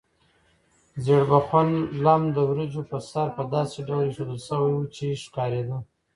ژیړبخون لم د وریجو په سر په داسې ډول ایښودل شوی و چې ښکارېده.